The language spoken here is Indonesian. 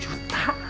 sepuluh juta kang